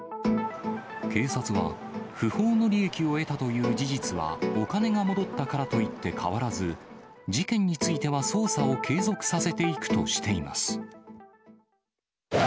警察は、不法の利益を得たという事実は、お金が戻ったからといって変わらず、事件については捜査を継続させていくとしています。